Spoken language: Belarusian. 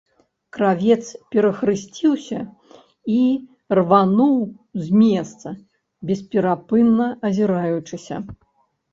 Кравец перахрысціўся і рвануў з месца, бесперапынна азіраючыся.